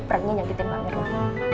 perannya nyakitin mbak mirna